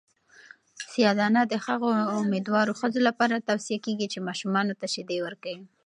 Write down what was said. سیاه دانه د هغو میندوارو ښځو لپاره توصیه کیږي چې ماشومانو ته شیدې ورکوي.